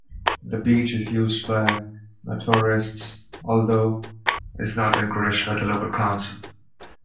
The beach is used by naturists, although is not encouraged by the local council.